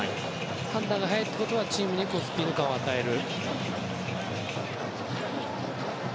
判断が早いってことはチームにスピード感を与える。